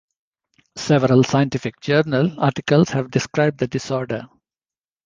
Several scientific journal articles have described the disorder.